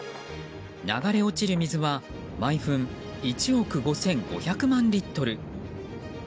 流れ落ちる水は毎分１億５５００万リットル。